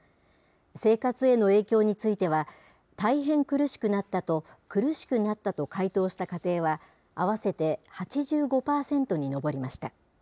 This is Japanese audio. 生活への影響については、大変苦しくなったと苦しくなったと回答した家庭は、合わせて８５％に上りました。